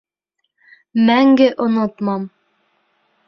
Мәңге онотмам!